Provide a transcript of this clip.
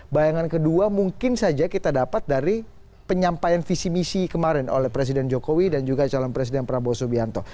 bayangan kedua mungkin saja kita dapat dari penyampaian visi misi kemarin oleh presiden jokowi dan juga calon presiden prabowo subianto